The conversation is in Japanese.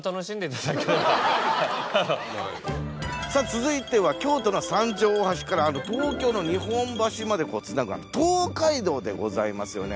続いては京都の三条大橋から東京の日本橋までつなぐ東海道でございますよね。